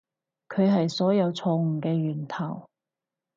佢係所有錯誤嘅源頭